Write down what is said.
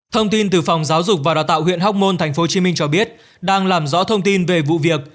thông tin từ phòng giáo dục và đào tạo huyện hóc môn tp hcm cho biết đang làm rõ thông tin về vụ việc